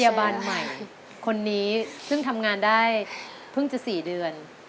พยาบาลใหม่คนนี้ซึ่งทำงานได้เพิ่งจะ๔เดือน